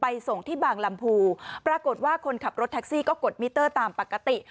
ส่งที่บางลำพูปรากฏว่าคนขับรถแท็กซี่ก็กดมิเตอร์ตามปกติ